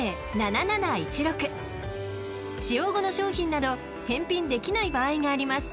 ［使用後の商品など返品できない場合があります］